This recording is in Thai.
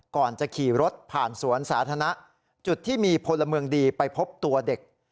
ก่อนจะขี่รถผ่านสวนสาธารณะจุดที่มีพลเมืองดีไปพบตัวเด็ก